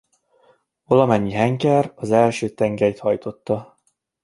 Valamennyi henger az első tengelyt hajtotta.